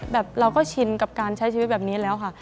เราก็ชินกับการใช้ชีวิตแบบนี้แล้วค่ะ